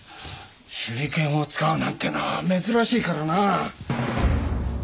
手裏剣を使うなんてのは珍しいからなぁ。